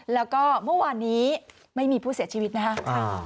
แล้วก็เมื่อวานนี้ไม่มีผู้เสียชีวิตนะครับ